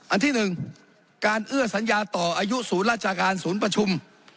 อันที่๑การเอื้อสัญญาต่ออายุศูนย์ราชการศูนย์ประชุม